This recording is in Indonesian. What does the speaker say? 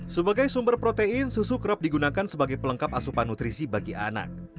sebagai sumber protein susu kerap digunakan sebagai pelengkap asupan nutrisi bagi anak